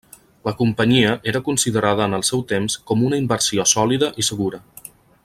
La Companyia era considerada en el seu temps com una inversió sòlida i segura.